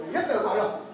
nhất là bảo lộc